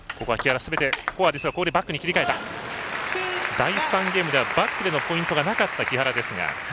第３ゲームではバックでのポイントがなかった木原ですが。